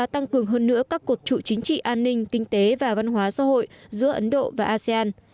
tăng cường hơn nữa các cột trụ chính trị an ninh kinh tế và văn hóa xã hội giữa ấn độ và asean